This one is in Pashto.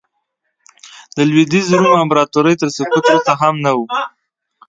د لوېدیځ روم امپراتورۍ تر سقوط وروسته هم نه و